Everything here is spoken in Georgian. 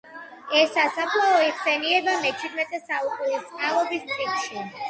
ეს სასაფლაო იხსენიება მეჩვიდმეტე საუკუნის წყალობის წიგნში.